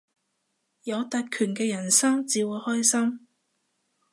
有特權嘅人生至會開心